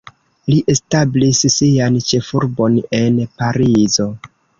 Li establis sian ĉefurbon en Parizo.